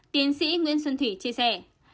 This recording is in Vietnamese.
tiến sĩ nguyễn xuân thủy chia sẻ